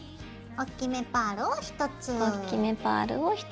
おっきめパールを１つ。